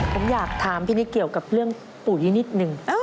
ผมอยากถามพี่นิดเกี่ยวกับเรื่องปุ๋ยนิดนึง